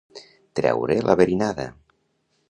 Treure la verinada.